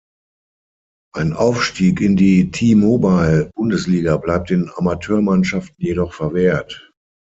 Ein Aufstieg in die T-Mobile-Bundesliga bleibt den Amateurmannschaften jedoch verwehrt.